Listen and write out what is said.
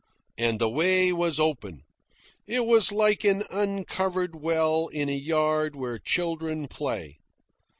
And the way was open. It was like an uncovered well in a yard where children play.